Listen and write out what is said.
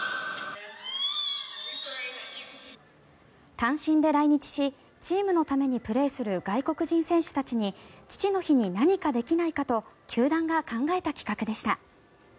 単身で来日しチームのためにプレーする外国人選手たちに父の日に何かできないかと球団が考えた企画でした。